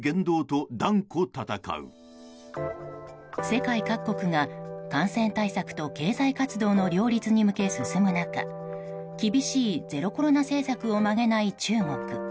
世界各国が感染対策と経済活動の両立に向け進む中厳しいゼロコロナ政策を曲げない中国。